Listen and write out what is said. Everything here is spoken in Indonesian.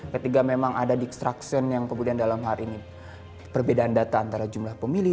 ketika memang ada dextraction yang kemudian dalam hal ini perbedaan data antara jumlah pemilih